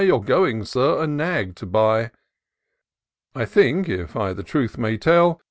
You're going. Sir, a nag to buy : I think, if I the truth may tell.